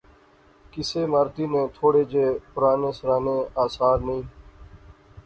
کسے عمارتی نے تھوڑے جے پرانے سرانے آثار نئیں